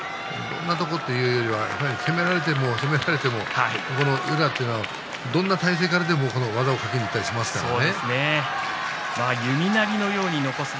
攻められても攻められても宇良というのはどんな体勢からでも技をかけていったりしますからね。